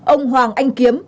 ba ông hoàng anh kiếm